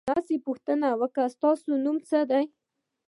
نرسې پوښتنه وکړه: ستاسې نوم څه دی؟